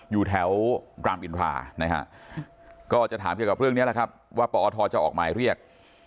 อยู่แถวรามอินทรานะฮะก็จะถามเกี่ยวกับเรื่องนี้แหละครับว่าปอทจะออกหมายเรียก